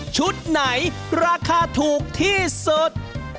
ชุดไหนราคาถูกที่สุด